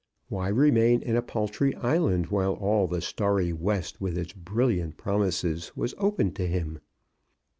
Why remain in a paltry island while all the starry west, with its brilliant promises, was open to him?